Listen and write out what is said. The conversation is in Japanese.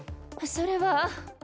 それは。